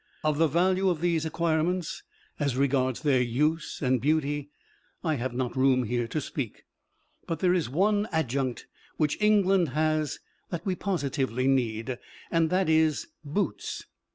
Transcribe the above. Of the value of these acquirements as regards their use and beauty, I have not room here to speak. But there is one adjunct which England has that we positively need, and that is "Boots."